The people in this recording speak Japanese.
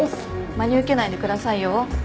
真に受けないでくださいよ。